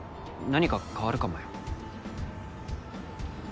何か変わるかもよ。